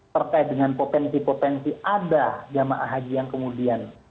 terkait dengan potensi potensi ada jamaah haji yang kemudian